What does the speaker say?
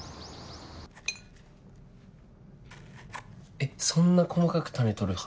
えっそんな細かく種取る派？